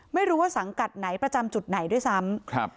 ไม่รู้ว่าสังกัดไหนประจำจุดไหนด้วยซ้ำครับ